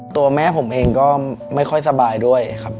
ตัวแม่ผมเองก็ไม่ค่อยสบายด้วยครับ